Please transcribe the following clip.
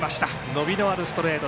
伸びのあるストレート。